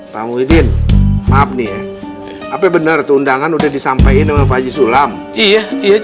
pak muhyiddin maaf nih ya apa benar undangan udah disampaikan sama pak haji sulam iya iya